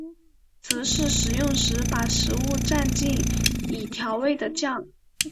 则是食用时把食物蘸进已调味的酱。